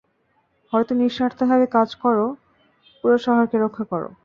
নয়তো নিঃস্বার্থভাবে কাজ করে পুরো শহরকে রক্ষা কর।